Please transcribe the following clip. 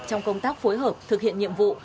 trong công tác phối hợp thực hiện nhiệm vụ